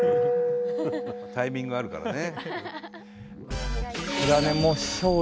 タイミングあるからね。